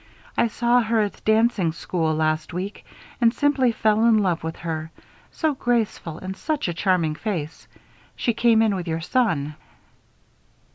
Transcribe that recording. I saw her at dancing school last week and simply fell in love with her. So graceful and such a charming face. She came in with your son."